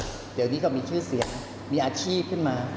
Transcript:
เดี๋ยวนี้ก็มีชื่อเสียงมีอาชีพขึ้นมา